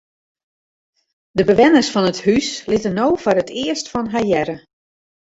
De bewenners fan it hús litte no foar it earst fan har hearre.